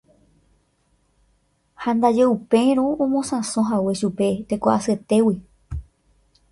ha ndaje upérõ omosãsohague chupe teko'asyetégui.